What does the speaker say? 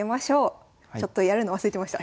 ちょっとやるの忘れてました。